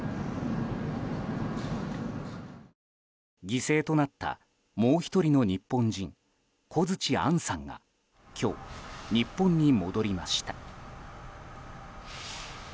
犠牲となったもう１人の日本人小槌杏さんが今日、日本に戻りました。